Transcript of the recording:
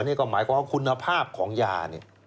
นี่ก็หมายความว่าคุณภาพของยาเนี่ย